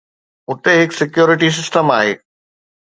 اتي هڪ security system آهي.